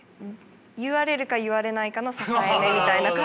言われるか言われないかの境目みたいな感じかな。